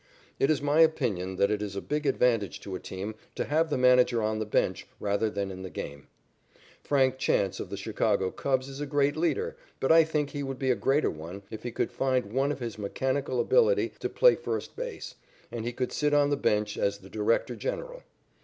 It is my opinion that it is a big advantage to a team to have the manager on the bench rather than in the game. Frank Chance of the Chicago Cubs is a great leader, but I think he would be a greater one if he could find one of his mechanical ability to play first base, and he could sit on the bench as the director general.